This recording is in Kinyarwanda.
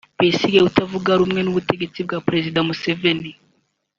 Besigye utavuga rumwe n’ubutegetsi bwa Perezida Museveni